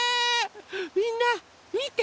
みんなみて！